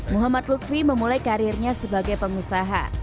muhammad lutfi memulai karirnya sebagai pengusaha